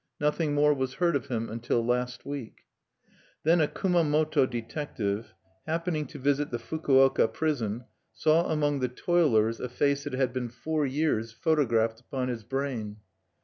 Nothing more was heard of him until last week. Then a Kumamoto detective, happening to visit the Fukuoka prison, saw among the toilers a face that had been four years photographed upon his brain.